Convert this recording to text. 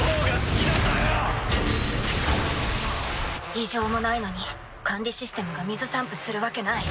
異常もないのに管理システムが水散布するわけない。